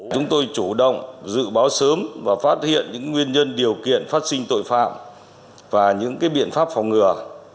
chúng tôi chủ động dự báo sớm và phát hiện những nguyên nhân điều kiện phát sinh tội phạm và những biện pháp phòng ngừa